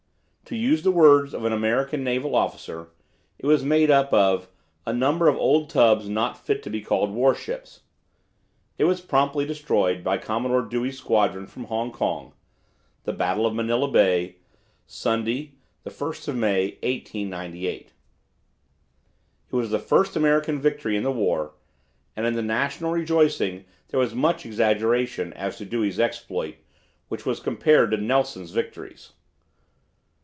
To use the words of an American naval officer, it was made up of "a number of old tubs not fit to be called warships." It was promptly destroyed by Commodore Dewey's squadron from Hong Kong (Battle of Manila Bay, Sunday, 1 May, 1898). It was the first American victory in the war, and in the national rejoicing there was much exaggeration as to Dewey's exploit, which was compared to Nelson's victories!